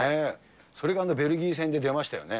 それがベルギー戦で出ましたよね。